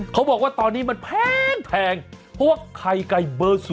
เขาบอกว่าตอนนี้มันแพงเพราะว่าไข่ไก่เบอร์๐